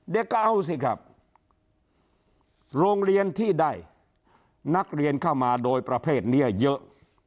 ก็เอาสิครับโรงเรียนที่ได้นักเรียนเข้ามาโดยประเภทนี้เยอะ